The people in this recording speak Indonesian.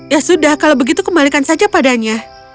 ya sudah kalau begitu kembalikan saja padanya